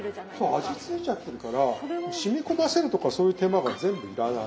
そう味付いちゃってるからしみこませるとかそういう手間が全部要らない。